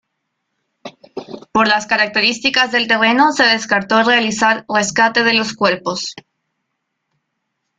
Por las características del terreno se descartó realizar rescate de los cuerpos.